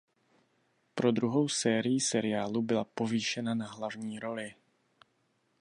Pro druhou sérii seriálu byla povýšena na hlavní roli.